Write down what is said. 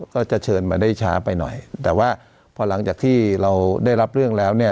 ก็จะเชิญมาได้ช้าไปหน่อยแต่ว่าพอหลังจากที่เราได้รับเรื่องแล้วเนี่ย